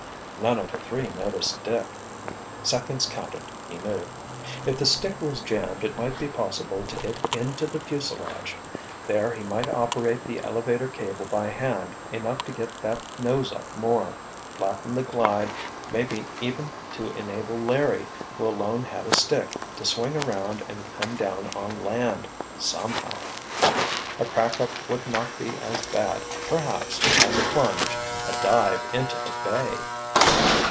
None of the three noticed Dick. Seconds counted, he knew. If the stick was jammed, it might be possible to get into the fuselage. There he might operate the elevator cable by hand enough to get that nose up more, flatten the glide, maybe enough to enable Larry, who alone had a stick, to swing around and come down on land—somehow. A crack up would not be as bad, perhaps, as a plunge, a dive into the bay!